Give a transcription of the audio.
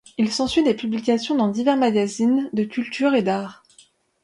Il s'ensuit des publications dans divers magazines de culture et d'art.